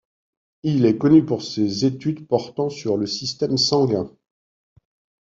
Il est connu pour ses études portant sur le système sanguin.